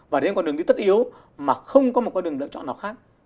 và đấy là một con đường tất yếu mà không có một con đường lựa chọn nào khác